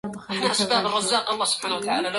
لو كان يفدى مرض